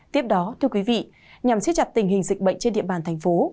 tiếp đó thưa quý vị nhằm siết chặt tình hình dịch bệnh trên địa bàn thành phố